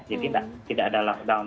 jadi tidak ada lockdown